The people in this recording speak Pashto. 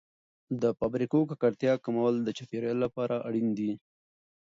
د فابریکو د ککړتیا کمول د چاپیریال لپاره اړین دي.